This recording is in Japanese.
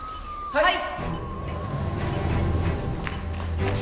はい。